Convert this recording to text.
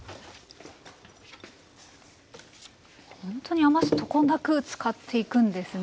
ほんとに余すとこなく使っていくんですね。